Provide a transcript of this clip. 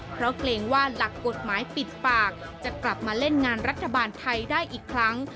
เพราะเกรงว่าหลักกฎหมายปิดปากจะกลับมาเล่นงานรัฐบาลไทยได้อีกครั้ง